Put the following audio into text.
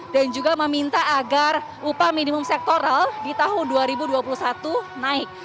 dan juga meminta agar upah minimum sektoral di tahun dua ribu dua puluh satu naik